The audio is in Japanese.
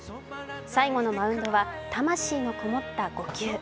最後のマウンドは魂のこもった５球。